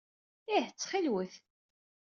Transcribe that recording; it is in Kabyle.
Ih ttxil-wet.